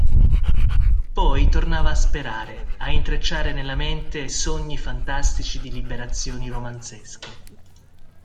Poi tornava a sperare, a intrecciare nella mente sogni fantastici di liberazioni romanzesche.